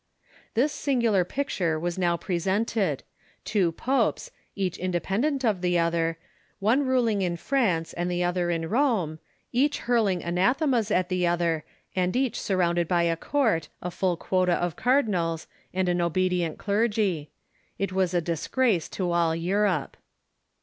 This singular picture was now presented — two popes, each independent of the other, one ruling in France and the other in Rome, each hurling anathemas at the other, and each surrounded by a court, a full quota of cardinals, and an obedient clergy. It was a disgrace to all Europe.